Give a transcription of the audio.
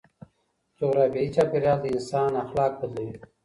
جغرافيايي چاپيريال د انسان اخلاق بدلوي.